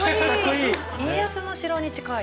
家康の城に近い。